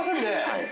はい。